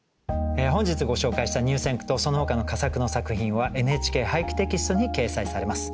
本日ご紹介した入選句とそのほかの佳作の作品は「ＮＨＫ俳句」テキストに掲載されます。